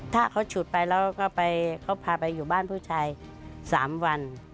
ถ้าเขาฉุดไปแล้วก็เขาพาไปอยู่บ้านผู้ชาย๓วัน